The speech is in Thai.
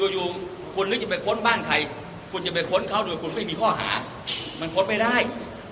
อยู่คุณนึกจะไปค้นบ้านใครคุณจะไปค้นเขาโดยคุณไม่มีข้อหามันค้นไม่ได้